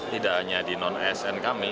tidak hanya di non asn kami